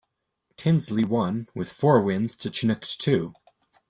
Tinsley won with four wins to Chinook's two.